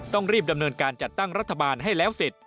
ต้องรีบดำเนินการจัดตั้งรัฐบาลให้แล้วเสร็จ